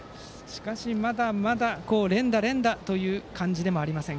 しかしまだまだ連打、連打という感じでもありません。